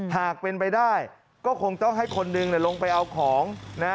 หากเป็นไปได้ก็คงต้องให้คนหนึ่งลงไปเอาของนะ